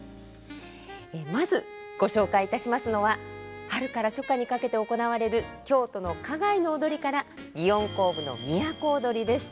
まずご紹介いたしますのは春から初夏にかけて行われる京都の花街の踊りから祇園甲部の「都をどり」です。